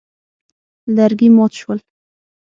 لرګي مات شول.